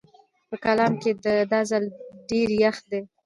په کالام کې دا ځل ډېر يخ دی